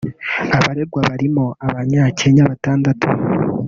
Abaregwa barimo abanya -Kenya batandatu